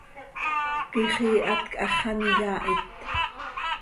Quixiihat quih hax an iyaahit.